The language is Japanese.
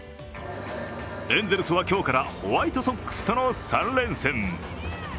エンゼルスは今日からホワイトソックスとの３連戦。